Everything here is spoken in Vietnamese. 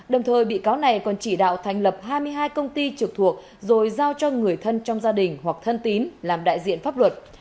đồng thời bị cáo này còn chỉ đạo thành lập hai mươi hai công ty trực thuộc rồi giao cho người thân trong gia đình hoặc thân tín làm đại diện pháp luật